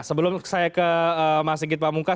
sebelum saya ke mas sigit pamungkas